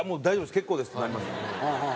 結構です」ってなりますよ。